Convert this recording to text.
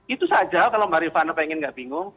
itu saja kalau marifandang pengen nggak bingung